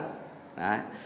mà chúng tôi